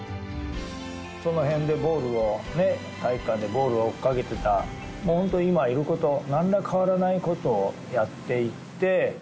そのへんでボールをね、体育館でボールを追っかけてた、もう本当、今いる子となんら変わらないことをやっていて。